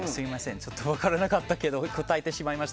ちょっと分からなかったけど答えてしまいました。